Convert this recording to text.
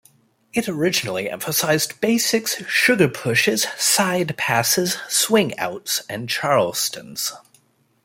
It originally emphasized basics, sugar pushes, side passes, swing outs, and Charlestons.